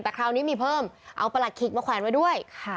แต่คราวนี้มีเพิ่มเอาประหลัดขิกมาแขวนไว้ด้วย